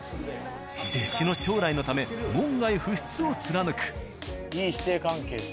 弟子の将来のため門外不出を貫く。